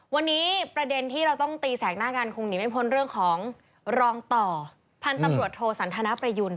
วันนี้ประเด็นที่เราต้องตีแสกหน้ากันคงหนีไม่พ้นเรื่องของรองต่อพันธุ์ตำรวจโทสันทนประยุณ